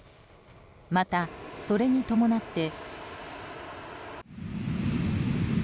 また、それに伴って。